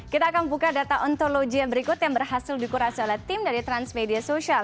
kita akan buka data ontologi yang berikut yang berhasil dikurasi oleh tim dari transmedia sosial